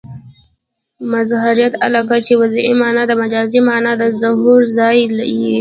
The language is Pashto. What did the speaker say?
مظهریت علاقه؛ چي وضعي مانا د مجازي مانا د ظهور ځای يي.